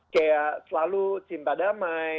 kayak selalu cinta damai